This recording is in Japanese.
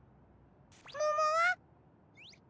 ももは？